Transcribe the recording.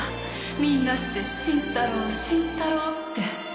みんなして新太郎新太郎って。